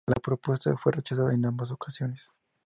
La propuesta fue rechazada en ambas ocasiones.